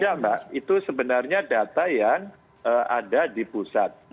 ya mbak itu sebenarnya data yang ada di pusat